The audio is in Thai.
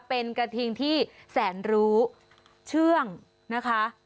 เป็นกระทิงที่แสนรู้เชื่องนะคะ